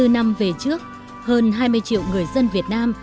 bảy mươi bốn năm về trước hơn hai mươi triệu người dân việt nam